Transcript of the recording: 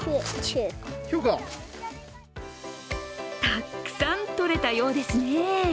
たくさんとれたようですね。